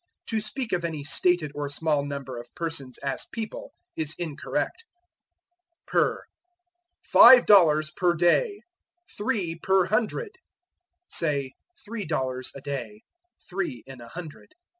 To speak of any stated or small number of persons as people is incorrect. Per. "Five dollars per day." "Three per hundred." Say, three dollars a day; three in a hundred.